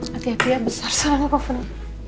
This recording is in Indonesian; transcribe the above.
hati hati ya besar sekali kopernya